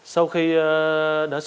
sau khi xe đi qua khu vực dốc xỏa